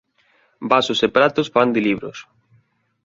Vasos e pratos fan de libros: